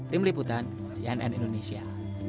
tim liputan cnn indonesia